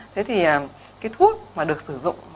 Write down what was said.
thế thì cái thuốc mà được sử dụng là